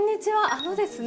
あのですね